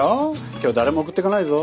今日は誰も送っていかないぞ。